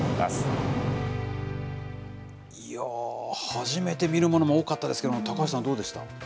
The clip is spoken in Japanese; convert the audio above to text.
初めて見るものも多かったですけど、高橋さん、どうでした？